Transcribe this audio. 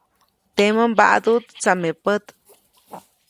Temäʼ mbaʼduʼt tsamepät.